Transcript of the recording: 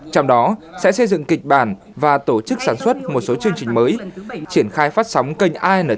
trong đó sẽ xây dựng kịch bản và tổ chức sản xuất một số chương trình mới